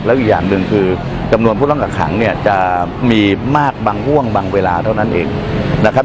อีกอย่างหนึ่งคือจำนวนผู้ต้องกักขังเนี่ยจะมีมากบางห่วงบางเวลาเท่านั้นเองนะครับ